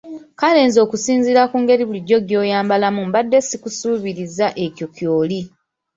Kale nze okusinziira ku ngeri bulijjo gy’oyambalamu mbadde sikusuubiriza ekyo ky’oli!